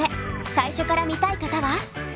最初から見たい方は！